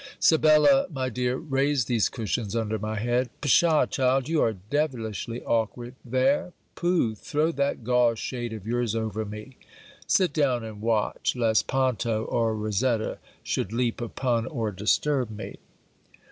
Sibella, my dear, raise these cushions under my head Psha, child, you are devilishly awkward there . Pooh! throw that gauze shade of your's over me. Sit down, and watch, lest Ponto or Rosetta should leap upon or disturb me.'